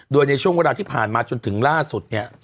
โดยในช่วงเวลาที่ผ่านมาจนถึงล่าสุดเนี่ย